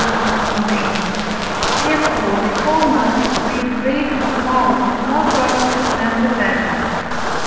of the Emotions); therefore, the former, be it great or small, is more perfect than the latter.